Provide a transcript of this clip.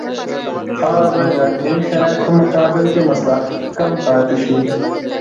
خاوره باید د اقلیمي شرایطو په مقابل کې مستحکم پاتې شي